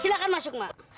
silahkan masuk mak